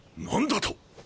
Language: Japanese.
何だと！